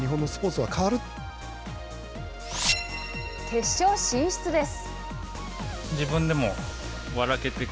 決勝進出です。